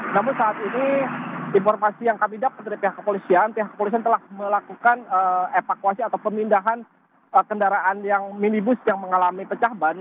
namun saat ini informasi yang kami dapat dari pihak kepolisian pihak kepolisian telah melakukan evakuasi atau pemindahan kendaraan yang minibus yang mengalami pecah ban